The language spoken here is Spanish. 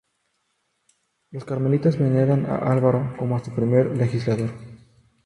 Los carmelitas veneran a Alberto como a su primer legislador.